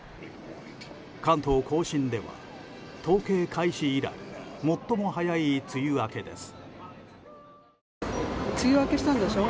関東・甲信では統計開始以来最も早い梅雨明けです。